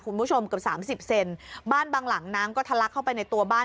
คุณผู้ชมเกือบสามสิบเซนบ้านบางหลังน้ำก็ทะลักเข้าไปในตัวบ้าน